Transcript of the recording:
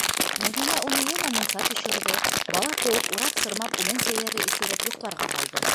Мәҙинә уны йәнә мунса төшөрҙө, бала кеүек урап-сырмап, үлән сәйҙәре эсереп, йоҡларға һалды.